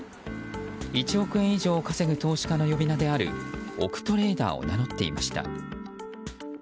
１億円以上を稼ぐ投資家の呼び名である億トレーダーを名乗っていました。